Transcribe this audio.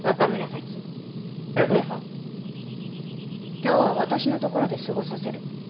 今日は私のところで過ごさせる。